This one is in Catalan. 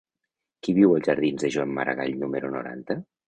Qui viu als jardins de Joan Maragall número noranta?